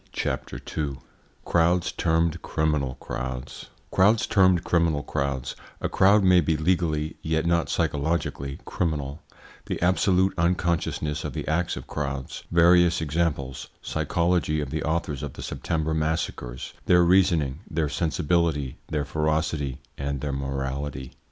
CHAPTER II CROWDS TERMED CRIMINAL CROWDS Crowds termed criminal crowds A crowd may be legally yet not psychologically criminal The absolute unconsciousness of the acts of crowds Various examples Psychology of the authors of the September massacres Their reasoning, their sensibility, their ferocity, and their morality.